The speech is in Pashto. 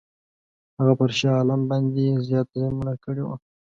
هغه پر شاه عالم باندي زیات ظلمونه کړي وه.